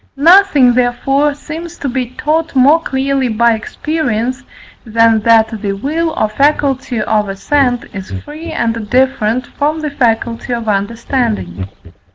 Nothing therefore seems to be taught more clearly by experience, than that the will or faculty of assent is free and different from the faculty of understanding.